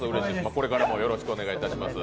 これからもよろしくお願いいたいします。